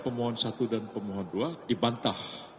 permohon satu dan permohon dua dibantah